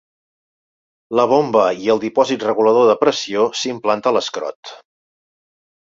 La bomba i el dipòsit regulador de pressió s'implanta a l'escrot.